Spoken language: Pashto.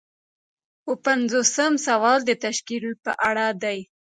اووه پنځوسم سوال د تشکیل په اړه دی.